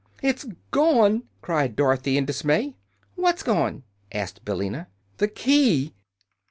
"It's gone!" cried Dorothy, in dismay. "What's gone?" asked Billina. "The key."